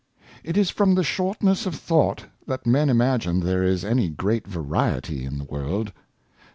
IT is from the Shortness of Thought, that Men imagine there is any great Variety in the World.